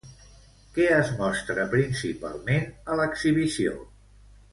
Què es mostra principalment a l'exhibició?